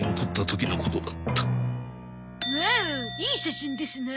いい写真ですな。